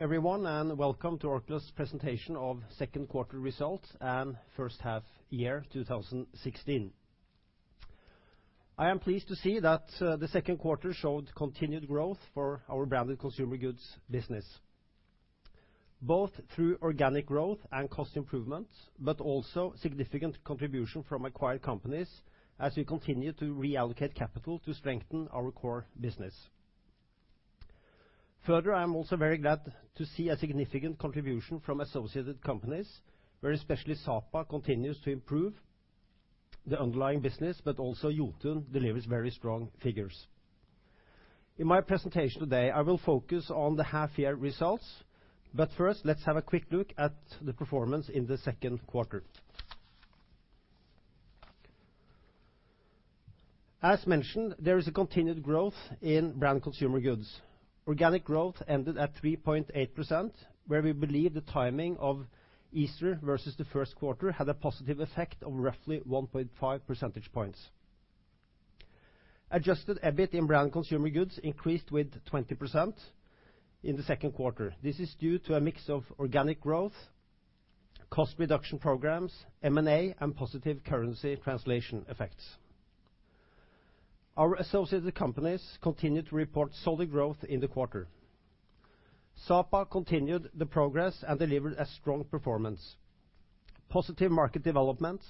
Everyone, welcome to Orkla's presentation of second quarter results and first half year 2016. I am pleased to see that the second quarter showed continued growth for our Branded Consumer Goods business, both through organic growth and cost improvements, but also significant contribution from acquired companies as we continue to reallocate capital to strengthen our core business. Further, I am also very glad to see a significant contribution from associated companies, where especially Sapa continues to improve the underlying business, but also Jotun delivers very strong figures. In my presentation today, I will focus on the half-year results. First, let's have a quick look at the performance in the second quarter. As mentioned, there is a continued growth in Branded Consumer Goods. Organic growth ended at 3.8%, where we believe the timing of Easter versus the first quarter had a positive effect of roughly 1.5 percentage points. Adjusted EBIT in Branded Consumer Goods increased with 20% in the second quarter. This is due to a mix of organic growth, cost reduction programs, M&A, and positive currency translation effects. Our associated companies continued to report solid growth in the quarter. Sapa continued the progress and delivered a strong performance. Positive market developments,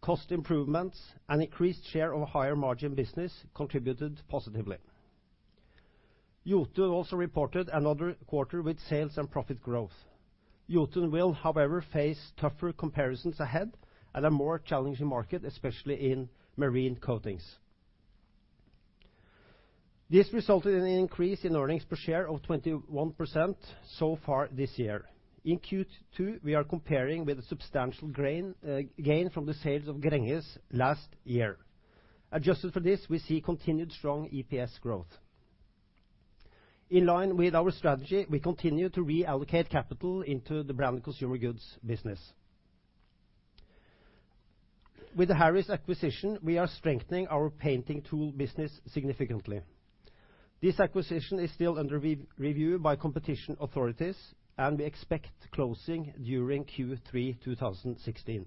cost improvements, and increased share of higher-margin business contributed positively. Jotun also reported another quarter with sales and profit growth. Jotun will, however, face tougher comparisons ahead and a more challenging market, especially in marine coatings. This resulted in an increase in earnings per share of 21% so far this year. In Q2, we are comparing with a substantial gain from the sales of Gränges last year. Adjusted for this, we see continued strong EPS growth. In line with our strategy, we continue to reallocate capital into the Branded Consumer Goods business. With the Harris acquisition, we are strengthening our painting tool business significantly. This acquisition is still under review by competition authorities, and we expect closing during Q3 2016.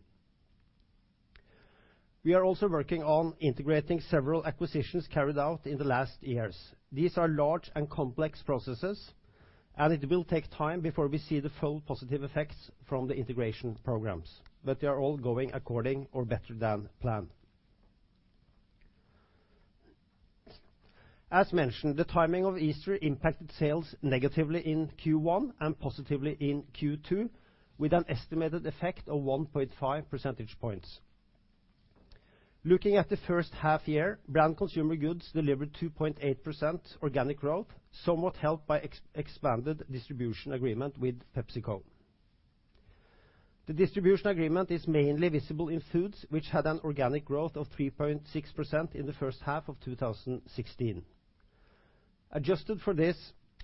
We are also working on integrating several acquisitions carried out in the last years. These are large and complex processes, and it will take time before we see the full positive effects from the integration programs. They are all going according or better than planned. As mentioned, the timing of Easter impacted sales negatively in Q1 and positively in Q2, with an estimated effect of 1.5 percentage points. Looking at the first half year, Branded Consumer Goods delivered 2.8% organic growth, somewhat helped by expanded distribution agreement with PepsiCo. The distribution agreement is mainly visible in foods, which had an organic growth of 3.6% in the first half of 2016. Adjusted for this,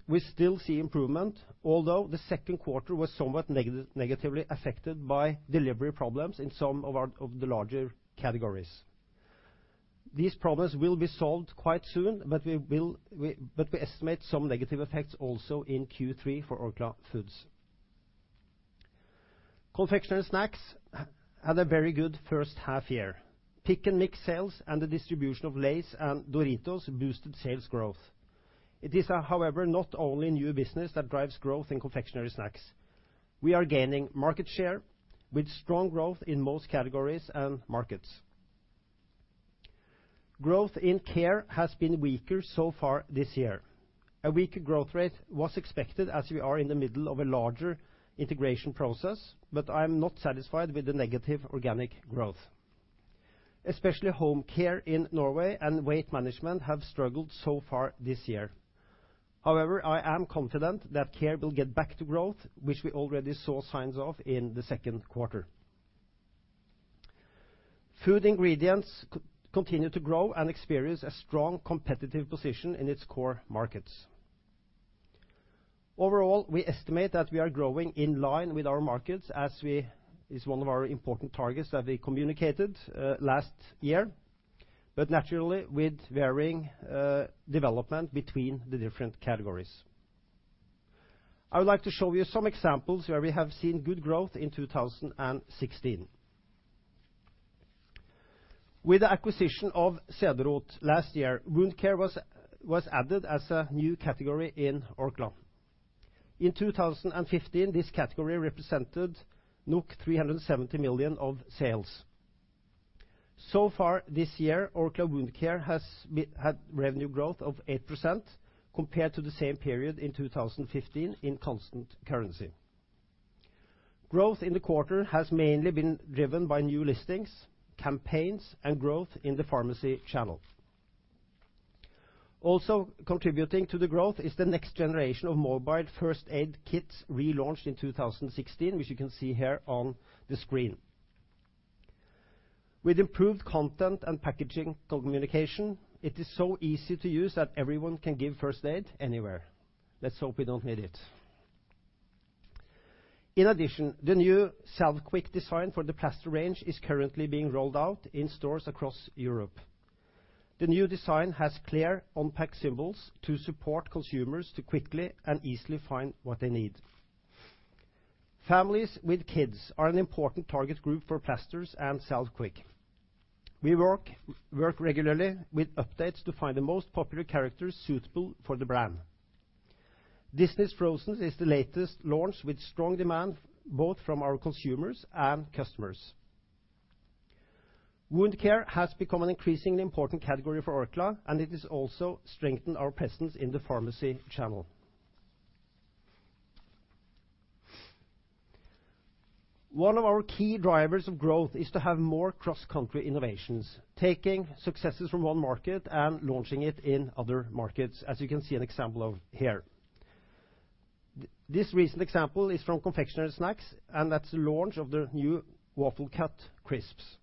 we still see improvement, although the second quarter was somewhat negatively affected by delivery problems in some of the larger categories. These problems will be solved quite soon, but we estimate some negative effects also in Q3 for Orkla Foods. Confectionery snacks had a very good first half year. Pick and mix sales and the distribution of Lay's and Doritos boosted sales growth. It is, however, not only new business that drives growth in confectionery snacks. We are gaining market share with strong growth in most categories and markets. Growth in care has been weaker so far this year. A weaker growth rate was expected as we are in the middle of a larger integration process, but I am not satisfied with the negative organic growth. Especially home care in Norway and weight management have struggled so far this year. I am confident that care will get back to growth, which we already saw signs of in the second quarter. Food ingredients continue to grow and experience a strong competitive position in its core markets. We estimate that we are growing in line with our markets as it is one of our important targets that we communicated last year, naturally, with varying development between the different categories. I would like to show you some examples where we have seen good growth in 2016. With the acquisition of Cederroth last year, wound care was added as a new category in Orkla. In 2015, this category represented 370 million of sales. So far this year, Orkla wound care has had revenue growth of 8% compared to the same period in 2015 in constant currency. Growth in the quarter has mainly been driven by new listings, campaigns, and growth in the pharmacy channel. Contributing to the growth is the next generation of mobile first aid kits relaunched in 2016, which you can see here on the screen. With improved content and packaging communication, it is so easy to use that everyone can give first aid anywhere. Let's hope we don't need it. The new Salvequick design for the plaster range is currently being rolled out in stores across Europe. The new design has clear on-pack symbols to support consumers to quickly and easily find what they need. Families with kids are an important target group for plasters and Salvequick. We work regularly with updates to find the most popular characters suitable for the brand. Disney's "Frozen" is the latest launch, with strong demand both from our consumers and customers. Wound care has become an increasingly important category for Orkla. It has also strengthened our presence in the pharmacy channel. One of our key drivers of growth is to have more cross-country innovations, taking successes from one market and launching it in other markets, as you can see an example of here. This recent example is from confectionery snacks, that's the launch of the new Waffle Cut crisps.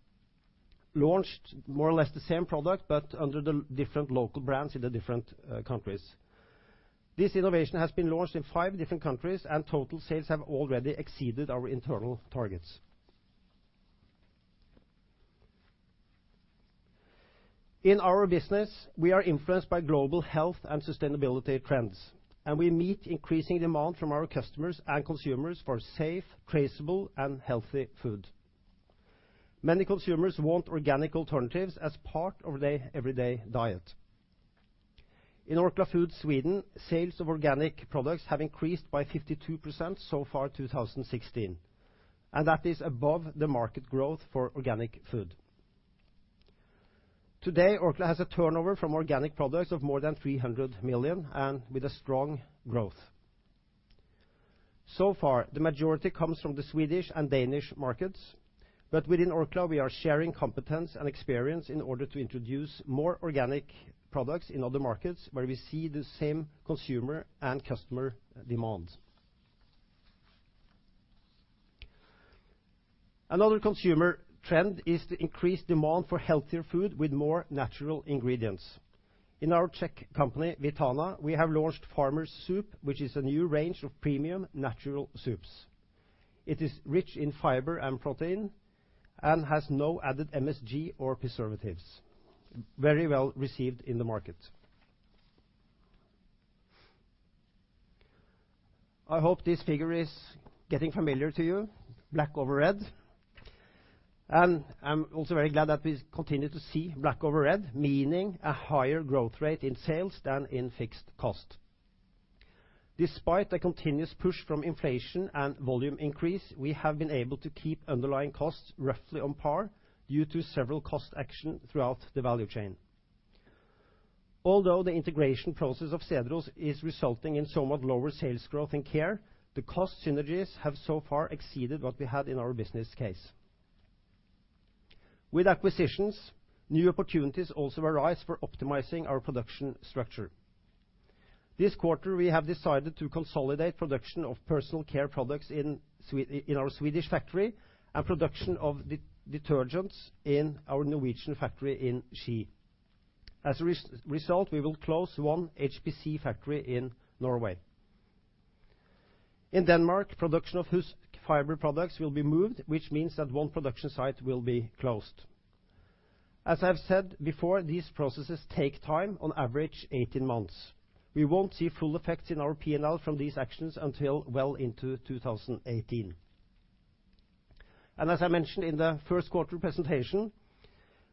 Launched more or less the same product, under the different local brands in the different countries. This innovation has been launched in five different countries. Total sales have already exceeded our internal targets. In our business, we are influenced by global health and sustainability trends. We meet increasing demand from our customers and consumers for safe, traceable, and healthy food. Many consumers want organic alternatives as part of their everyday diet. In Orkla Foods Sweden, sales of organic products have increased by 52% so far in 2016, that is above the market growth for organic food. Orkla has a turnover from organic products of more than 300 million with a strong growth. So far, the majority comes from the Swedish and Danish markets, within Orkla, we are sharing competence and experience in order to introduce more organic products in other markets where we see the same consumer and customer demand. Another consumer trend is the increased demand for healthier food with more natural ingredients. In our Czech company, Vitana, we have launched Farmer's Soup, which is a new range of premium natural soups. It is rich in fiber and protein has no added MSG or preservatives. Very well-received in the market. I hope this figure is getting familiar to you, black over red. I'm also very glad that we continue to see black over red, meaning a higher growth rate in sales than in fixed cost. Despite a continuous push from inflation and volume increase, we have been able to keep underlying costs roughly on par due to several cost action throughout the value chain. Although the integration process of Cederroth is resulting in somewhat lower sales growth in care, the cost synergies have so far exceeded what we had in our business case. With acquisitions, new opportunities also arise for optimizing our production structure. This quarter, we have decided to consolidate production of personal care products in our Swedish factory and production of detergents in our Norwegian factory in Ski. As a result, we will close one HPC factory in Norway. In Denmark, production of husk fiber products will be moved, which means that one production site will be closed. As I've said before, these processes take time, on average 18 months. We won't see full effects in our P&L from these actions until well into 2018. As I mentioned in the first quarter presentation,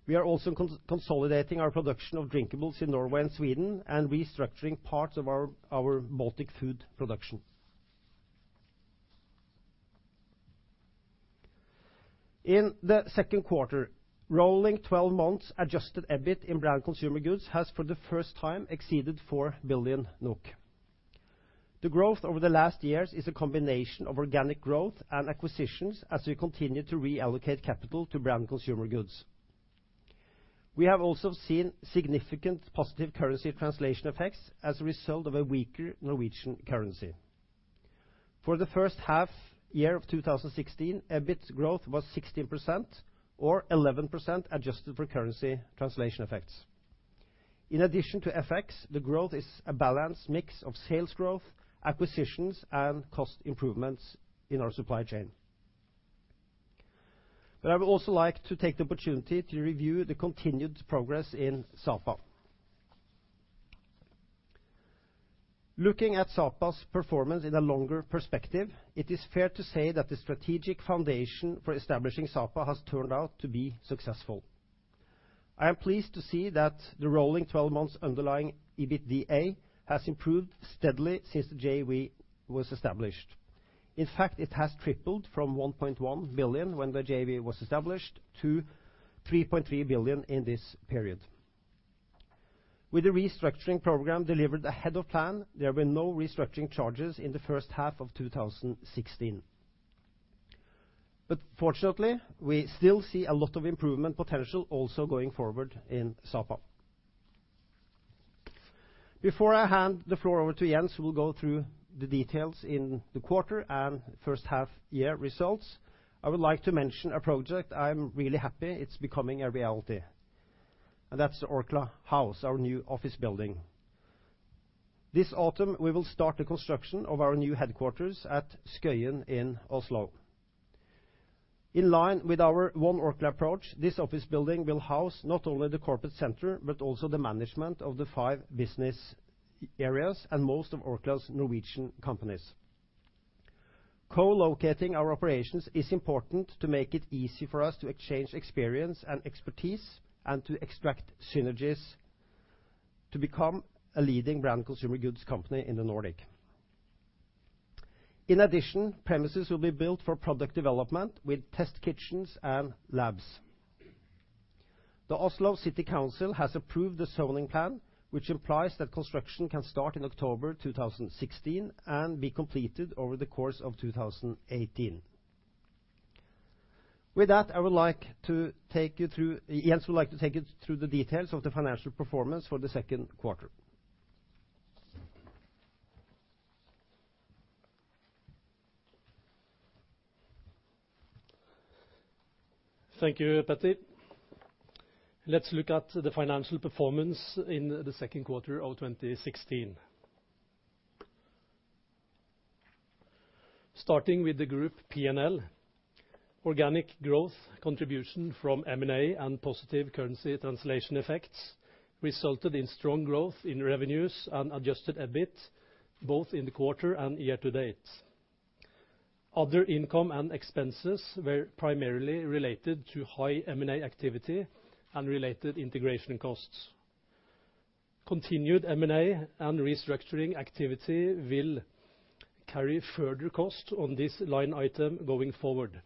we are also consolidating our production of drinkables in Norway and Sweden and restructuring parts of our Baltic food production. In the second quarter, rolling 12 months adjusted EBIT in Branded Consumer Goods has, for the first time, exceeded 4 billion NOK. The growth over the last years is a combination of organic growth and acquisitions as we continue to reallocate capital to Branded Consumer Goods. We have also seen significant positive currency translation effects as a result of a weaker Norwegian currency. For the first half year of 2016, EBIT growth was 16%, or 11% adjusted for currency translation effects. In addition to FX, the growth is a balanced mix of sales growth, acquisitions, and cost improvements in our supply chain. I would also like to take the opportunity to review the continued progress in Sapa. Looking at Sapa's performance in a longer perspective, it is fair to say that the strategic foundation for establishing Sapa has turned out to be successful. I am pleased to see that the rolling 12 months underlying EBITDA has improved steadily since the JV was established. In fact, it has tripled from 1.1 billion when the JV was established to 3.3 billion in this period. With the restructuring program delivered ahead of plan, there have been no restructuring charges in the first half of 2016. Fortunately, we still see a lot of improvement potential also going forward in Sapa. Before I hand the floor over to Jens, who will go through the details in the quarter and first half year results, I would like to mention a project I'm really happy it's becoming a reality, and that's Orkla House, our new office building. This autumn, we will start the construction of our new headquarters at Skøyen in Oslo. In line with our One Orkla approach, this office building will house not only the corporate center, but also the management of the five business areas and most of Orkla's Norwegian companies. Co-locating our operations is important to make it easy for us to exchange experience and expertise, and to extract synergies to become a leading Branded Consumer Goods company in the Nordic. In addition, premises will be built for product development with test kitchens and labs. The Oslo City Council has approved the zoning plan, which implies that construction can start in October 2016 and be completed over the course of 2018. With that, Jens would like to take you through the details of the financial performance for the second quarter. Thank you, Peter. Let's look at the financial performance in the second quarter of 2016. Starting with the group P&L, organic growth contribution from M&A and positive currency translation effects resulted in strong growth in revenues and adjusted EBIT both in the quarter and year-to-date. Other income and expenses were primarily related to high M&A activity and related integration costs. Continued M&A and restructuring activity will carry further costs on this line item going forward,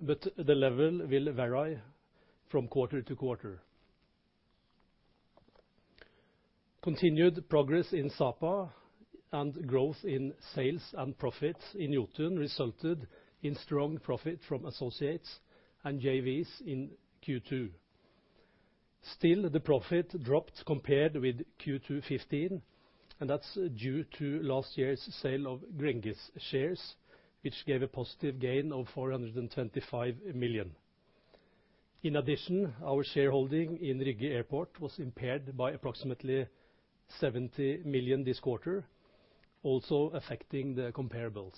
but the level will vary from quarter to quarter. Continued progress in Sapa and growth in sales and profits in Jotun resulted in strong profit from associates and JVs in Q2. Still, the profit dropped compared with Q2 2015, and that's due to last year's sale of Gränges shares, which gave a positive gain of 425 million. In addition, our shareholding in Rygge Airport was impaired by approximately 70 million this quarter, also affecting the comparables.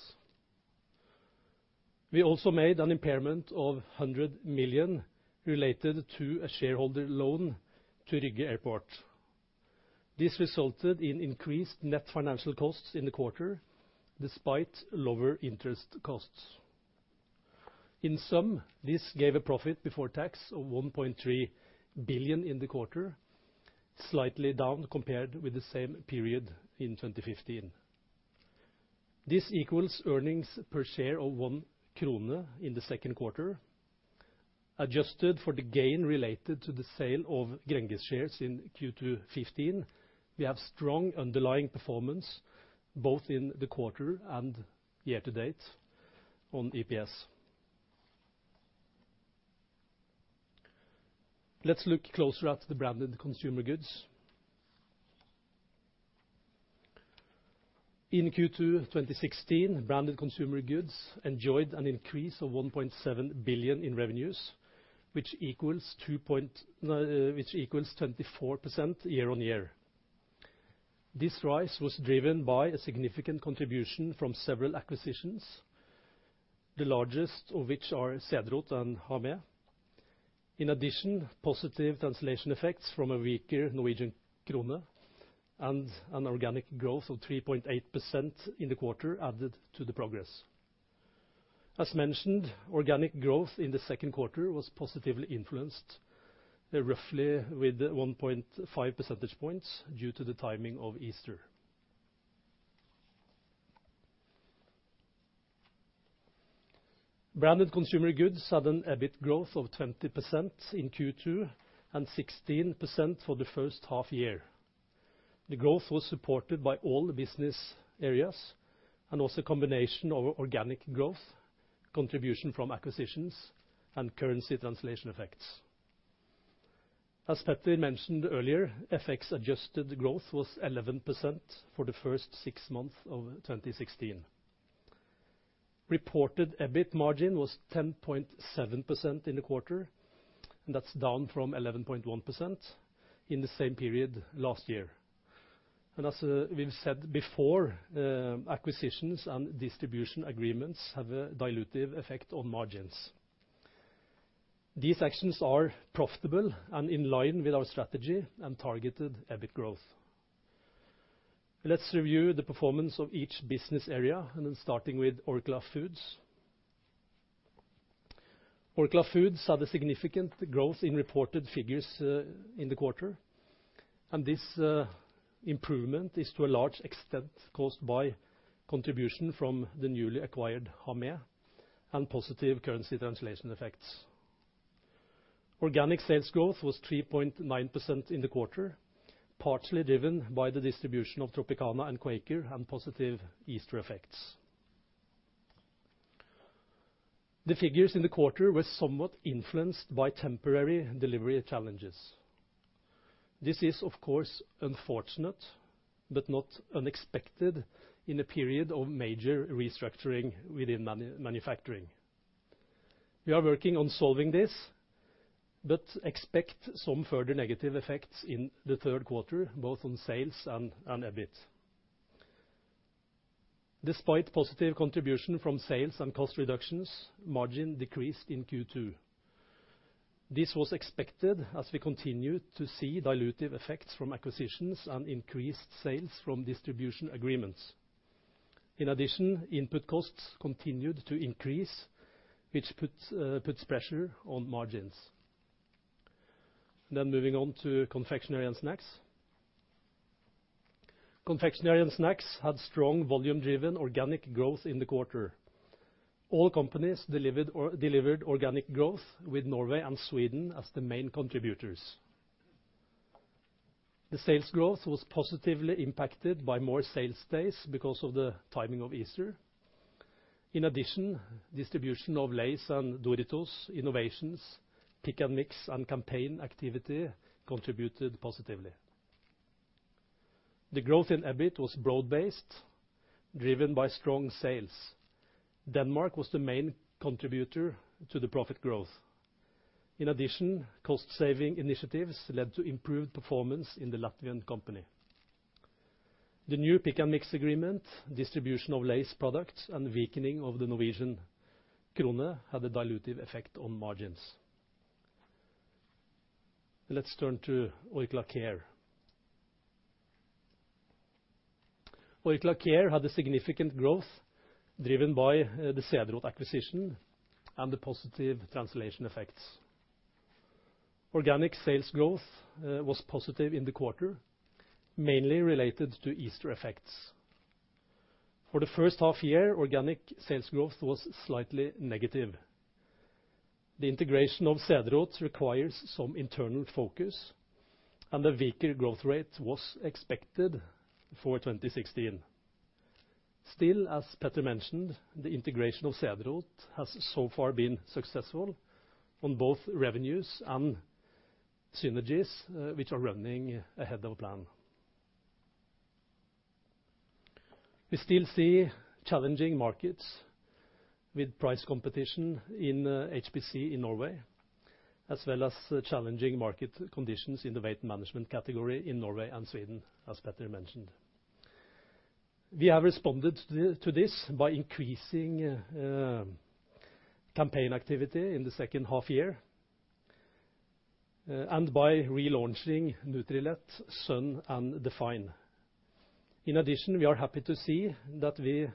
We also made an impairment of 100 million related to a shareholder loan to Rygge Airport. This resulted in increased net financial costs in the quarter, despite lower interest costs. In sum, this gave a profit before tax of 1.3 billion in the quarter, slightly down compared with the same period in 2015. This equals earnings per share of 1 krone in the second quarter. Adjusted for the gain related to the sale of Gränges shares in Q2 2015, we have strong underlying performance both in the quarter and year-to-date on EPS. Let's look closer at the Branded Consumer Goods. In Q2 2016, Branded Consumer Goods enjoyed an increase of 1.7 billion in revenues, which equals 24% year-on-year. This rise was driven by a significant contribution from several acquisitions, the largest of which are Cederroth and Hamé. In addition, positive translation effects from a weaker Norwegian krone and an organic growth of 3.8% in the quarter added to the progress. As mentioned, organic growth in the second quarter was positively influenced, roughly with 1.5 percentage points, due to the timing of Easter. Branded Consumer Goods had an EBIT growth of 20% in Q2 and 16% for the first half year. The growth was supported by all the business areas and was a combination of organic growth, contribution from acquisitions, and currency translation effects. As Petri mentioned earlier, FX-adjusted growth was 11% for the first six months of 2016. Reported EBIT margin was 10.7% in the quarter, and that's down from 11.1% in the same period last year. As we've said before, acquisitions and distribution agreements have a dilutive effect on margins. These actions are profitable and in line with our strategy and targeted EBIT growth. Let's review the performance of each business area, starting with Orkla Foods. Orkla Foods had a significant growth in reported figures in the quarter. This improvement is, to a large extent, caused by contribution from the newly acquired Hamé and positive currency translation effects. Organic sales growth was 3.9% in the quarter, partially driven by the distribution of Tropicana and Quaker and positive Easter effects. The figures in the quarter were somewhat influenced by temporary delivery challenges. This is, of course, unfortunate but not unexpected in a period of major restructuring within manufacturing. We are working on solving this, but expect some further negative effects in the third quarter, both on sales and EBIT. Despite positive contribution from sales and cost reductions, margin decreased in Q2. This was expected as we continue to see dilutive effects from acquisitions and increased sales from distribution agreements. In addition, input costs continued to increase, which puts pressure on margins. Moving on to confectionery and snacks. Confectionery and snacks had strong volume-driven organic growth in the quarter. All companies delivered organic growth with Norway and Sweden as the main contributors. The sales growth was positively impacted by more sales days because of the timing of Easter. In addition, distribution of Lay's and Doritos innovations, pick and mix, and campaign activity contributed positively. The growth in EBIT was broad-based, driven by strong sales. Denmark was the main contributor to the profit growth. In addition, cost-saving initiatives led to improved performance in the Latvian company. The new pick and mix agreement, distribution of Lay's products, and weakening of the Norwegian krone had a dilutive effect on margins. Let's turn to Orkla Care. Orkla Care had a significant growth driven by the Cederroth acquisition and the positive translation effects. Organic sales growth was positive in the quarter, mainly related to Easter effects. For the first half year, organic sales growth was slightly negative. The integration of Cederroth requires some internal focus, and a weaker growth rate was expected for 2016. Still, as Peter mentioned, the integration of Cederroth has so far been successful on both revenues and synergies, which are running ahead of plan. We still see challenging markets with price competition in HPC in Norway, as well as challenging market conditions in the weight management category in Norway and Sweden, as Peter mentioned. We have responded to this by increasing campaign activity in the second half year, and by relaunching Nutrilett, Sun, and Define. In addition, we are happy to see that with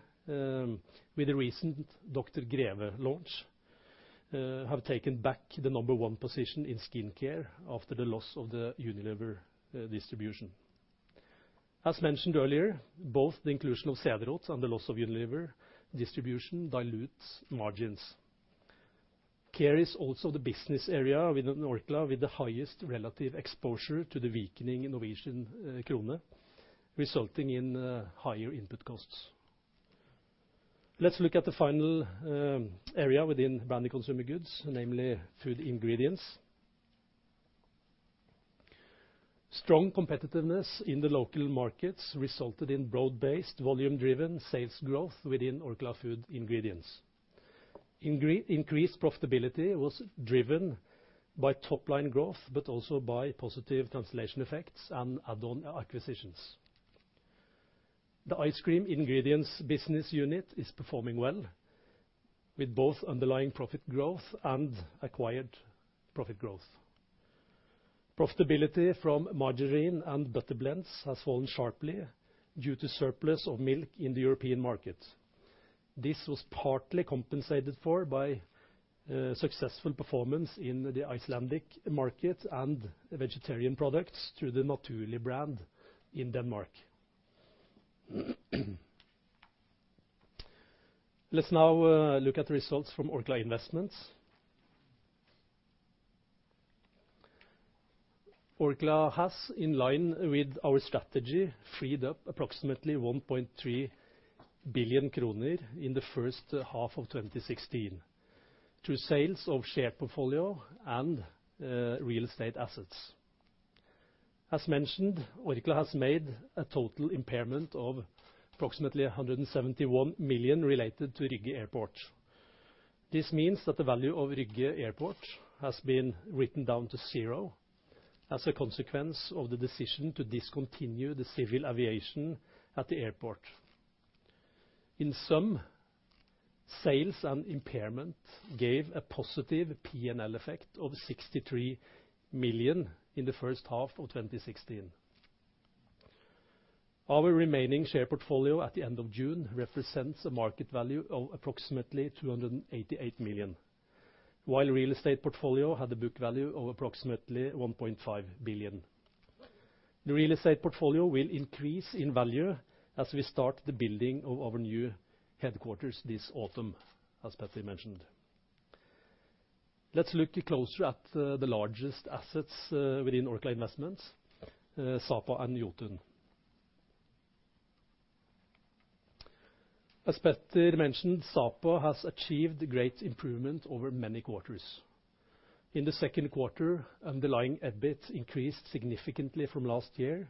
the recent Dr. Greve launch, have taken back the number one position in skincare after the loss of the Unilever distribution. As mentioned earlier, both the inclusion of Cederroth and the loss of Unilever distribution dilutes margins. Care is also the business area within Orkla with the highest relative exposure to the weakening Norwegian krone, resulting in higher input costs. Let's look at the final area within Branded Consumer Goods, namely food ingredients. Strong competitiveness in the local markets resulted in broad-based volume-driven sales growth within Orkla Food Ingredients. Increased profitability was driven by top-line growth, but also by positive translation effects and add-on acquisitions. The ice cream ingredients business unit is performing well with both underlying profit growth and acquired profit growth. Profitability from margarine and butter blends has fallen sharply due to surplus of milk in the European market. This was partly compensated for by successful performance in the Icelandic market and vegetarian products through the Naturli' brand in Denmark. Let's now look at the results from Orkla Investments. Orkla has, in line with our strategy, freed up approximately 1.3 billion kroner in the first half of 2016 through sales of shared portfolio and real estate assets. As mentioned, Orkla has made a total impairment of approximately 171 million related to Rygge Airport. This means that the value of Rygge Airport has been written down to zero as a consequence of the decision to discontinue the civil aviation at the airport. In sum, sales and impairment gave a positive P&L effect of 63 million in the first half of 2016. Our remaining share portfolio at the end of June represents a market value of approximately 288 million, while real estate portfolio had a book value of approximately 1.5 billion. The real estate portfolio will increase in value as we start the building of our new headquarters this autumn, as Petter mentioned. Let's look closer at the largest assets within Orkla Investments, Sapa and Jotun. As Petter mentioned, Sapa has achieved great improvement over many quarters In the second quarter, underlying EBIT increased significantly from last year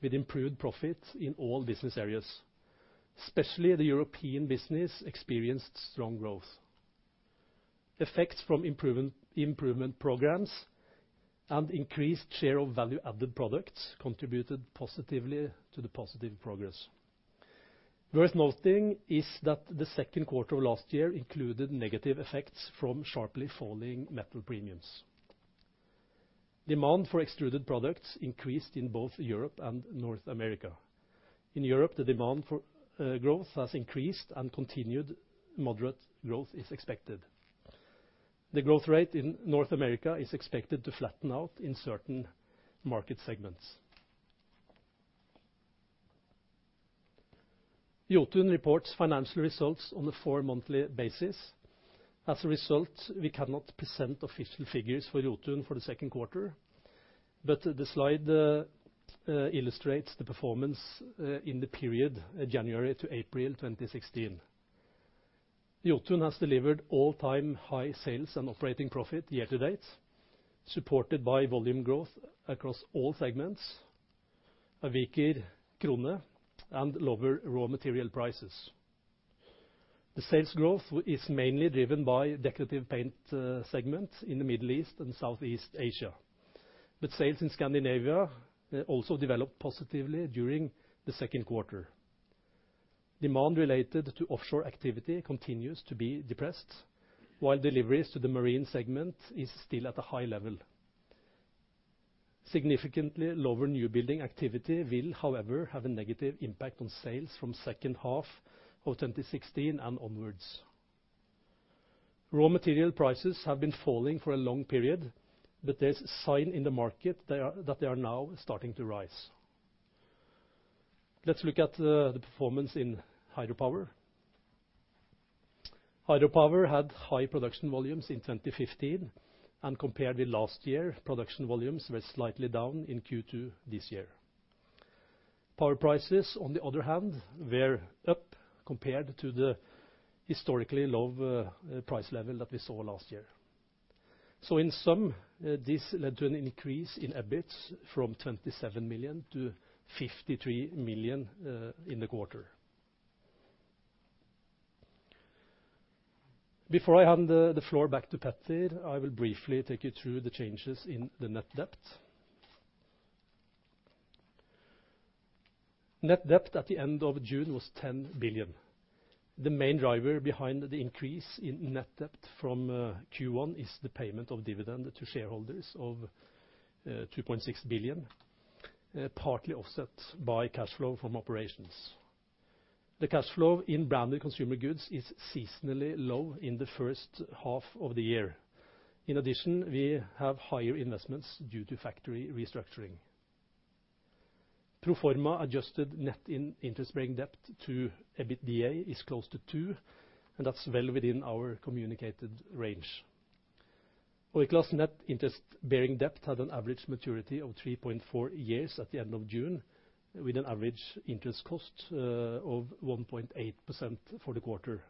with improved profits in all business areas. Especially the European business experienced strong growth. Effects from improvement programs and increased share of value-added products contributed positively to the positive progress. Worth noting is that the second quarter of last year included negative effects from sharply falling metal premiums. Demand for extruded products increased in both Europe and North America. In Europe, the demand for growth has increased and continued moderate growth is expected. The growth rate in North America is expected to flatten out in certain market segments. Jotun reports financial results on a four-monthly basis. As a result, we cannot present official figures for Jotun for the second quarter, but the slide illustrates the performance in the period January to April 2016. Jotun has delivered all-time high sales and operating profit year-to-date, supported by volume growth across all segments, a weaker krone, and lower raw material prices. The sales growth is mainly driven by decorative paint segments in the Middle East and Southeast Asia. Sales in Scandinavia also developed positively during the second quarter. Demand related to offshore activity continues to be depressed, while deliveries to the marine segment is still at a high level. Significantly lower new building activity will, however, have a negative impact on sales from second half of 2016 and onwards. Raw material prices have been falling for a long period, but there's sign in the market that they are now starting to rise. Let's look at the performance in hydropower. Hydropower had high production volumes in 2015, and compared with last year, production volumes were slightly down in Q2 this year. Power prices, on the other hand, were up compared to the historically low price level that we saw last year. In sum, this led to an increase in EBIT from 27 million to 53 million in the quarter. Before I hand the floor back to Petter, I will briefly take you through the changes in the net debt. Net debt at the end of June was 10 billion. The main driver behind the increase in net debt from Q1 is the payment of dividend to shareholders of 2.6 billion, partly offset by cash flow from operations. The cash flow in Branded Consumer Goods is seasonally low in the first half of the year. In addition, we have higher investments due to factory restructuring. Pro forma adjusted net interest-bearing debt to EBITDA is close to two, and that's well within our communicated range. Orkla's net interest-bearing debt had an average maturity of 3.4 years at the end of June, with an average interest cost of 1.8% for the quarter.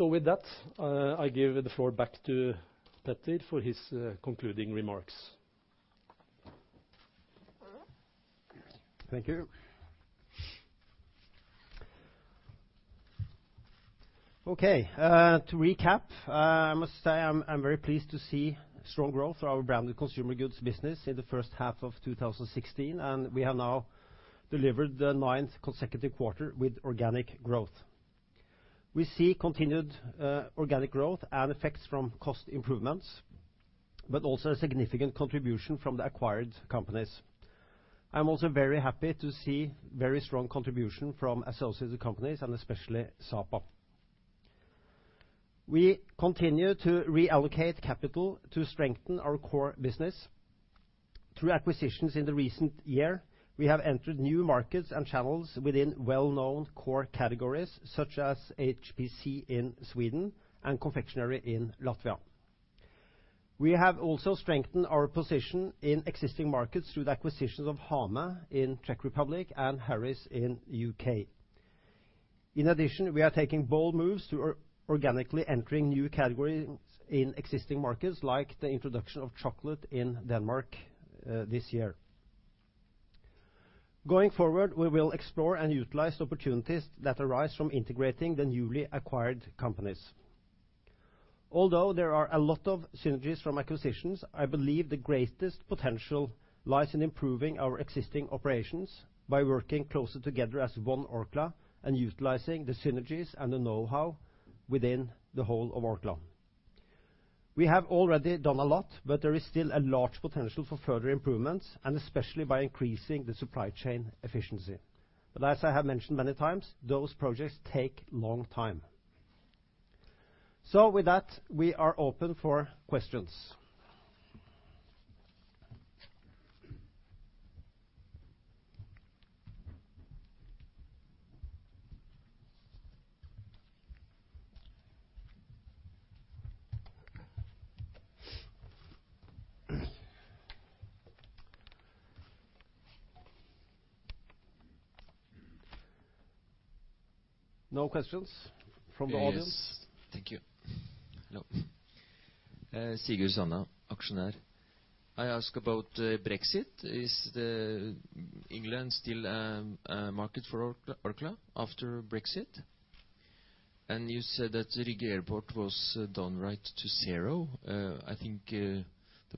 With that, I give the floor back to Petter for his concluding remarks. Thank you. Okay. To recap, I must say I'm very pleased to see strong growth for our Branded Consumer Goods business in the first half of 2016, and we have now delivered the ninth consecutive quarter with organic growth. We see continued organic growth and effects from cost improvements, but also a significant contribution from the acquired companies. I'm also very happy to see very strong contribution from associated companies and especially Sapa. We continue to reallocate capital to strengthen our core business. Through acquisitions in the recent year, we have entered new markets and channels within well-known core categories, such as HPC in Sweden and confectionery in Latvia. We have also strengthened our position in existing markets through the acquisitions of Hamé in Czech Republic and Harris in U.K. In addition, we are taking bold moves to organically entering new categories in existing markets, like the introduction of chocolate in Denmark this year. Going forward, we will explore and utilize opportunities that arise from integrating the newly acquired companies. Although there are a lot of synergies from acquisitions, I believe the greatest potential lies in improving our existing operations by working closer together as One Orkla and utilizing the synergies and the know-how within the whole of Orkla. As I have mentioned many times, those projects take a long time. With that, we are open for questions. No questions from the audience? Yes. Thank you. Hello. Sigurd Sanna, actionaire. I ask about Brexit. Is England still a market for Orkla after Brexit? You said that Rygge Airport was done right to zero. I think the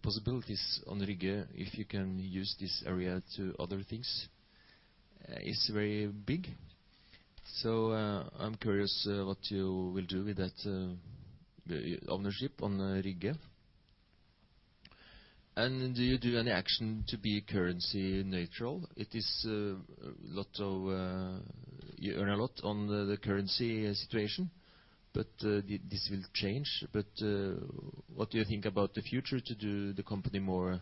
possibilities on Rygge, if you can use this area to other things, is very big. I'm curious what you will do with that ownership on Rygge. Do you do any action to be currency neutral? You earn a lot on the currency situation, but this will change. What do you think about the future to do the company more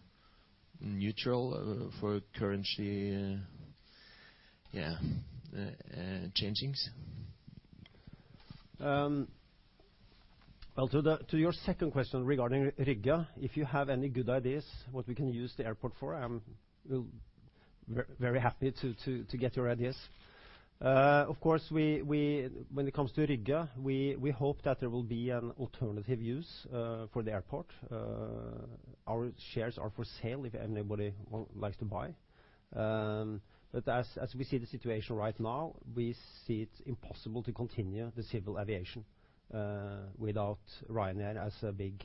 neutral for currency changings? Well, to your second question regarding Rygge, if you have any good ideas what we can use the airport for, I'm very happy to get your ideas. Of course, when it comes to Rygge, we hope that there will be an alternative use for the airport. Our shares are for sale if anybody likes to buy. As we see the situation right now, we see it's impossible to continue the civil aviation without Ryanair as a big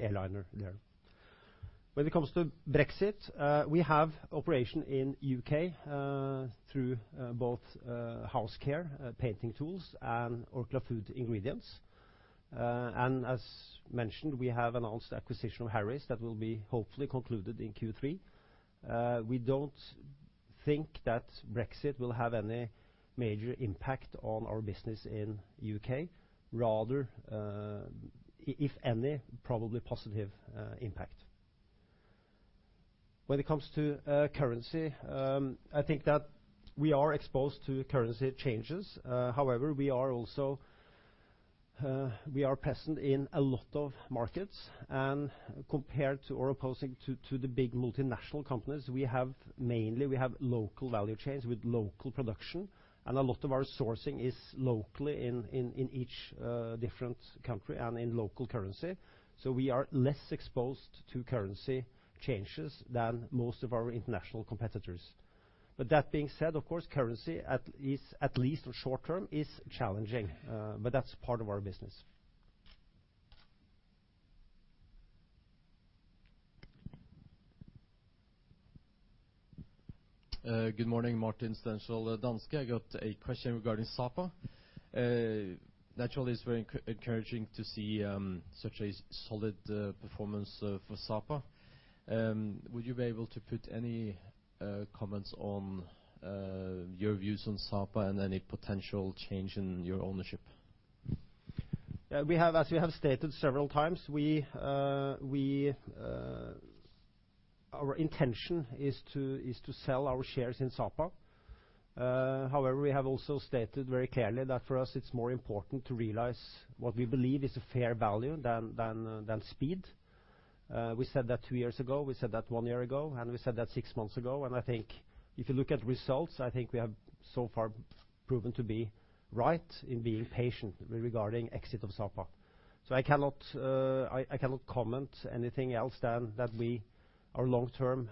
airliner there. When it comes to Brexit, we have operation in U.K. through both house care, painting tools, and Orkla Food Ingredients. As mentioned, we have announced acquisition of Harris that will be hopefully concluded in Q3. We don't think that Brexit will have any major impact on our business in U.K. Rather, if any, probably positive impact. When it comes to currency, I think that we are exposed to currency changes. However, we are present in a lot of markets, and compared to, or opposing to the big multinational companies, mainly, we have local value chains with local production, and a lot of our sourcing is locally in each different country and in local currency. We are less exposed to currency changes than most of our international competitors. That being said, of course, currency, at least in short term, is challenging. That's part of our business. Good morning. Martin Stensrud, Danske. I got a question regarding Sapa. Naturally, it's very encouraging to see such a solid performance for Sapa. Would you be able to put any comments on your views on Sapa and any potential change in your ownership? As we have stated several times, our intention is to sell our shares in Sapa. However, we have also stated very clearly that for us it's more important to realize what we believe is a fair value than speed. We said that two years ago, we said that one year ago, and we said that six months ago. I think if you look at results, I think we have so far proven to be right in being patient regarding exit of Sapa. I cannot comment anything else than that our long-term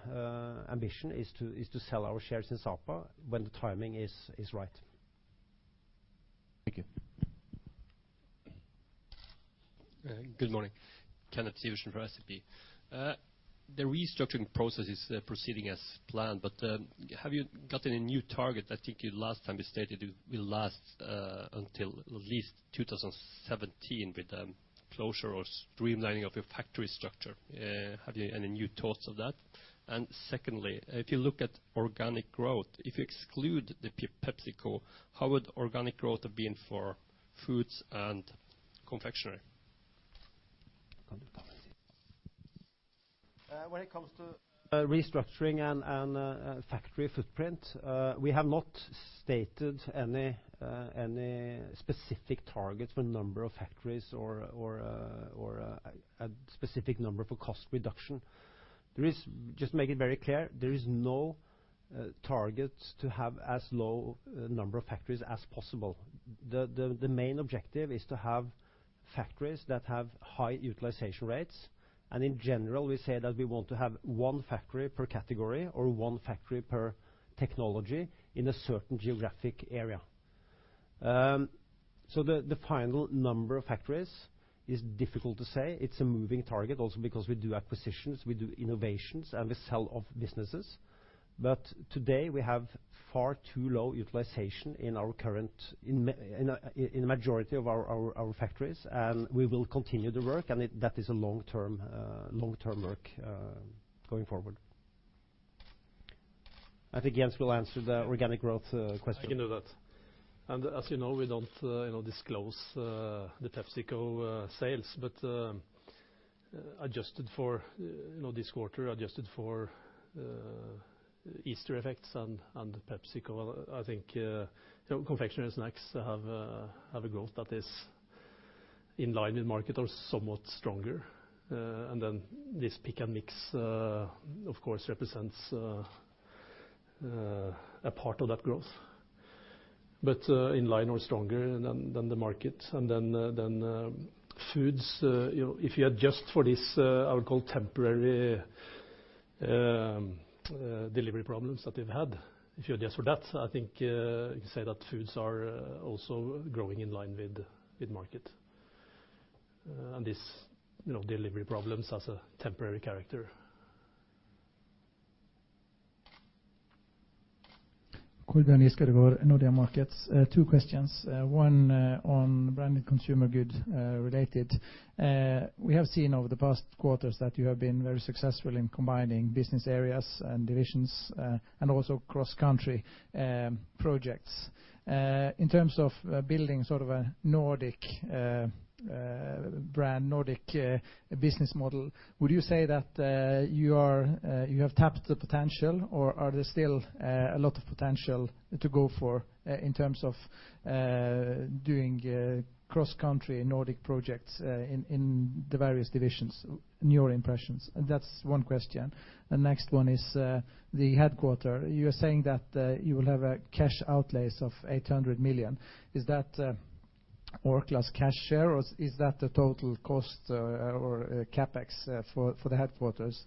ambition is to sell our shares in Sapa when the timing is right. Thank you. Good morning. Kenneth Syversen from SEB. The restructuring process is proceeding as planned, but have you gotten a new target? I think you last time stated it will last until at least 2017 with the closure or streamlining of your factory structure. Have you any new thoughts of that? Secondly, if you look at organic growth, if you exclude the PepsiCo, how would organic growth have been for foods and confectionery? When it comes to restructuring and factory footprint, we have not stated any specific target for number of factories or a specific number for cost reduction. Just to make it very clear, there is no target to have as low number of factories as possible. The main objective is to have factories that have high utilization rates, and in general, we say that we want to have one factory per category or one factory per technology in a certain geographic area. The final number of factories is difficult to say. It's a moving target also because we do acquisitions, we do innovations, and we sell off businesses. Today we have far too low utilization in the majority of our factories, and we will continue the work, and that is a long-term work going forward. I think Jens will answer the organic growth question. I can do that. As you know, we don't disclose the PepsiCo sales. This quarter, adjusted for Easter effects and PepsiCo, I think confectionery snacks have a growth that is in line with market or somewhat stronger. Then this pick and mix, of course, represents a part of that growth. In line or stronger than the market. Then foods, if you adjust for this, I'll call temporary delivery problems that we've had. If you adjust for that, I think you can say that foods are also growing in line with the market. These delivery problems has a temporary character. Kolbjørn Giskeødegård, Nordea Markets. Two questions. One on Branded Consumer Goods related. We have seen over the past quarters that you have been very successful in combining business areas and divisions, and also cross-country projects. In terms of building a Nordic brand, Nordic business model, would you say that you have tapped the potential, or are there still a lot of potential to go for in terms of doing cross-country Nordic projects in the various divisions, in your impressions? That is one question. The next one is the headquarters. You are saying that you will have cash outlays of 800 million. Is that Orkla's cash share or is that the total cost or CapEx for the headquarters?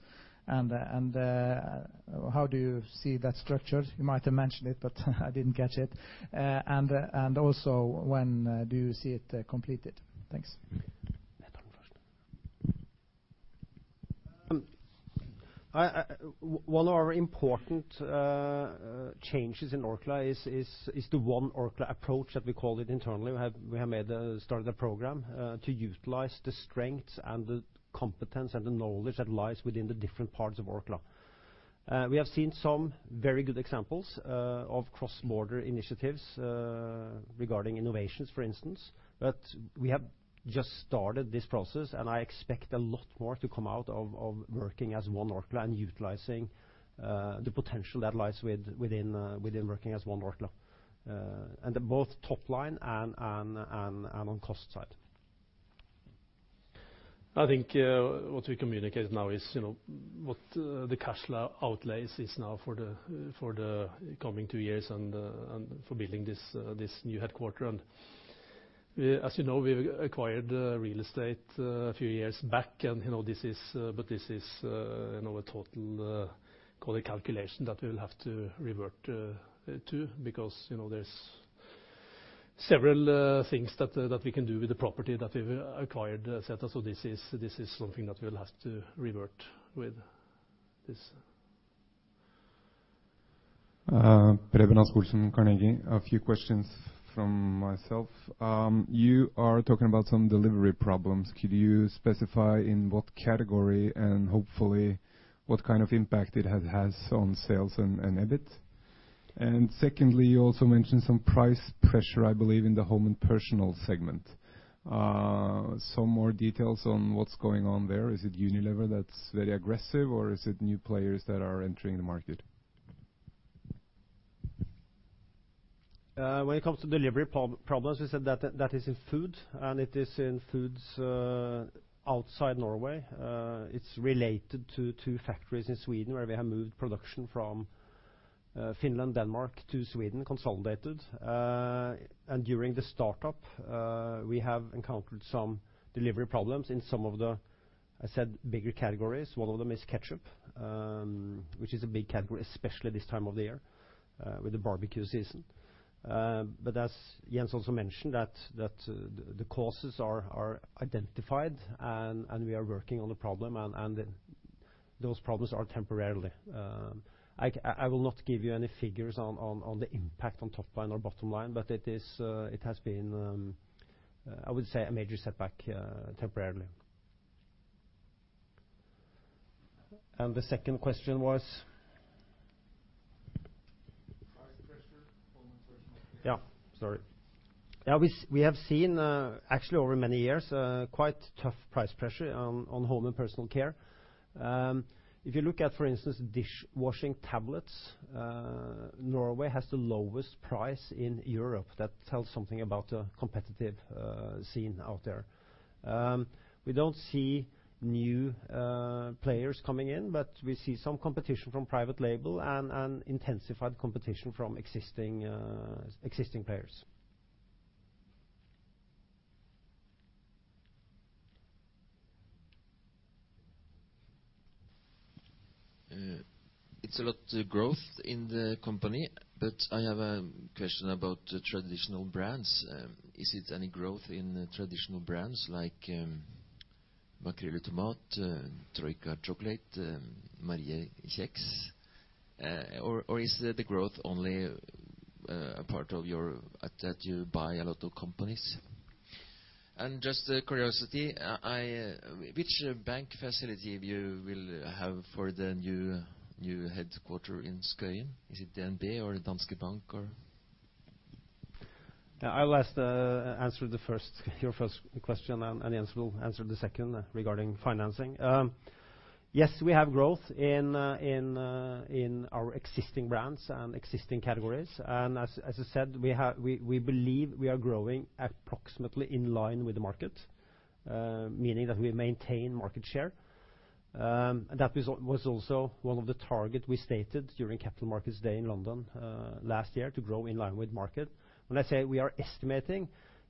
How do you see that structured? You might have mentioned it, but I did not catch it. Also, when do you see it completed? Thanks. One of our important changes in Orkla is the One Orkla approach, as we call it internally. We have started a program to utilize the strengths and the competence and the knowledge that lies within the different parts of Orkla. We have seen some very good examples of cross-border initiatives regarding innovations, for instance, but we have just started this process. I expect a lot more to come out of working as One Orkla and utilizing the potential that lies within working as One Orkla. At both top line and on cost side. I think what we communicate now is what the cash outlays is now for the coming two years and for building this new headquarters. As you know, we acquired real estate a few years back, but this is a total calculation that we will have to revert to because there are several things that we can do with the property that we have acquired, et cetera. This is something that we will have to revert with this. Preben Rasch-Olsen, Carnegie. A few questions from myself. You are talking about some delivery problems. Could you specify in what category and hopefully what kind of impact it has on sales and EBIT? Secondly, you also mentioned some price pressure, I believe, in the Home and Personal segment. Some more details on what is going on there. Is it Unilever that is very aggressive, or is it new players that are entering the market? When it comes to delivery problems, we said that is in food, and it is in foods outside Norway. It's related to 2 factories in Sweden where we have moved production from Finland, Denmark to Sweden, consolidated. During the startup, we have encountered some delivery problems in some of the, I said, bigger categories. One of them is ketchup, which is a big category, especially this time of the year, with the barbecue season. As Jens also mentioned, that the causes are identified and we are working on the problem, and those problems are temporarily. I will not give you any figures on the impact on top line or bottom line, but it has been, I would say, a major setback temporarily. The second question was? Price pressure on personal care. Sorry. We have seen, actually over many years, quite tough price pressure on Home and Personal Care. If you look at, for instance, dishwashing tablets, Norway has the lowest price in Europe. That tells something about the competitive scene out there. We don't see new players coming in, but we see some competition from private label and intensified competition from existing players. It's a lot growth in the company. I have a question about traditional brands. Is it any growth in traditional brands like Makrill i tomat, Troika chocolate, Marie kjeks? Is the growth only a part of that you buy a lot of companies? Just curiosity, which bank facility you will have for the new headquarters in Skøyen? Is it DNB or Danske Bank, or? I will answer your first question, Jens will answer the second regarding financing. Yes, we have growth in our existing brands and existing categories. As I said, we believe we are growing approximately in line with the market, meaning that we maintain market share. That was also one of the target we stated during Capital Markets Day in London last year, to grow in line with market. When I say we are estimating,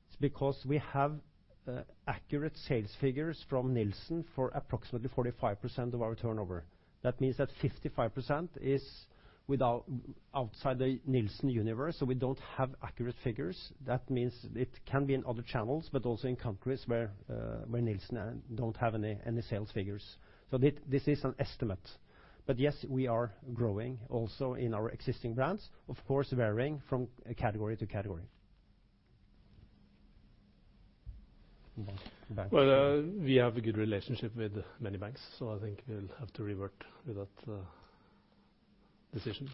it's because we have accurate sales figures from Nielsen for approximately 45% of our turnover. That means that 55% is outside the Nielsen universe, so we don't have accurate figures. That means it can be in other channels, but also in countries where Nielsen don't have any sales figures. This is an estimate. Yes, we are growing also in our existing brands, of course, varying from category to category. Well, we have a good relationship with many banks, I think we'll have to revert with that decision.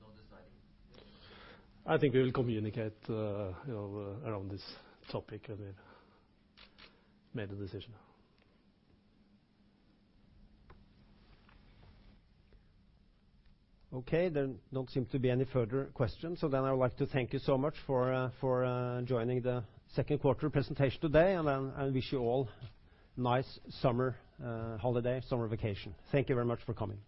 No deciding? I think we will communicate around this topic when we've made a decision. Okay, there don't seem to be any further questions. I would like to thank you so much for joining the second quarter presentation today, and I wish you all nice summer holiday, summer vacation. Thank you very much for coming.